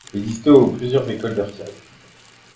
Il existait au plusieurs écoles d'artillerie.